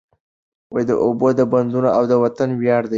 د اوبو بندونه د وطن ویاړ دی.